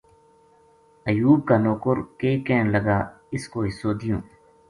ایوب کا نوکر آ کے کہن لگا اِس کو حصو دیوں